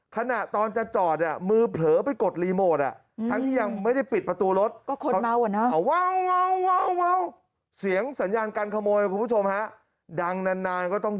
ขณะตอนจะจอดมือเผลอไปกดรีโมททั้งที่ยังไม่ได้ปิดประตูรถ